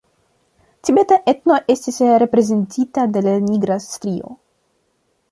Tibeta etno estis reprezentita de la nigra strio.